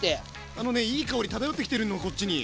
あのねいい香り漂ってきてるのこっちに。